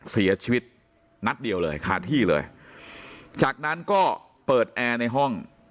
เสียชีวิตนัดเดียวเลยคาที่เลยจากนั้นก็เปิดแอร์ในห้อง